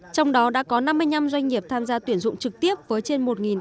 trong đó đã có năm mươi năm doanh nghiệp tham gia tuyển dụng trực tiếp với trên một tám trăm hai mươi